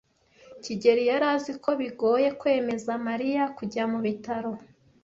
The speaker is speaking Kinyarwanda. kigeli yari azi ko bigoye kwemeza Mariya kujya mu bitaro.